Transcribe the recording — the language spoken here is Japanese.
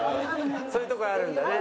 そういうとこあるんだね。